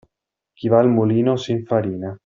Chi va al mulino s'infarina.